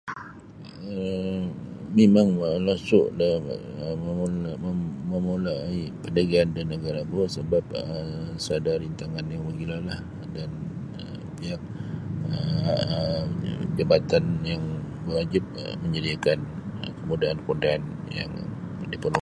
um Mimang molusu da mamulai paniagaan di nagaraku sabab um sada rintangan yang magilo lah dan um pihak um ja-jabatan yang wajib menyediakan kemudahan-kemudahan yang di. [unintelligible]